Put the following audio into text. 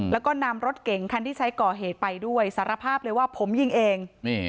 แล้วก็นำรถเก๋งคันที่ใช้ก่อเหตุไปด้วยสารภาพเลยว่าผมยิงเอง